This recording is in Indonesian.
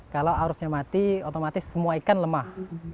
kalau arusnya mati otomatis semua ikan lemah